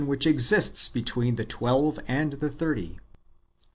which exists between the twelve and the thirty.